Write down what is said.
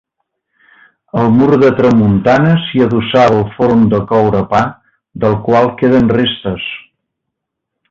Al mur de tramuntana s'hi adossava el forn de coure pa, del qual queden restes.